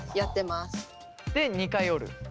で２回折る。